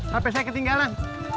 hape saya ketinggalan